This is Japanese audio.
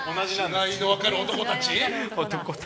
違いの分かる男たち？